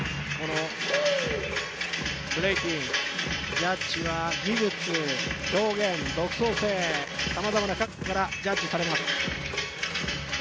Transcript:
ジャッジが技術、表現、独創性、さまざまな角度からジャッジされます。